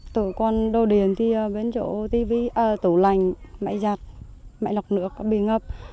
từ con đô điền thì đến chỗ tủ lành mẹ giặt mẹ lọc nước bị ngập